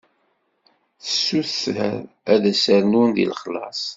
Tessuter ad as-rnun deg lexlaṣ.